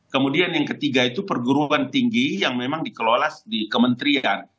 kemudian yang ketiga itu perguruan tinggi yang memang dikelola di kementerian